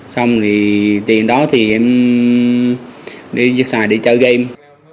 xong thì tiền đó thì em đi giữ xài để chơi game